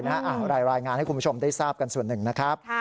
หลายรายงานให้คุณผู้ชมทราบกันส่วน๑นะครับ